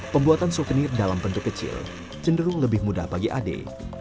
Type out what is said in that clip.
pembuatan souvenir dalam bentuk kecil cenderung lebih mudah bagi ade